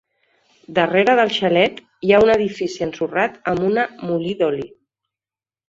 Darrere del xalet, hi ha un edifici ensorrat amb una molí d'oli.